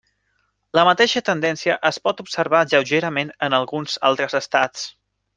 La mateixa tendència es pot observar lleugerament en alguns altres estats.